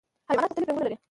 حیوانات مختلف رنګونه لري.